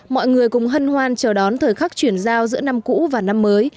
mọi người cùng hân hoan chờ đón thời khắc chuyển giao giữa năm cũ và năm mới